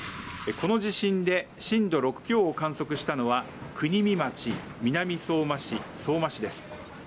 この地震で震度６強を観測したのは国見町、南相馬市相馬市です。